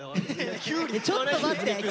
ちょっと待って！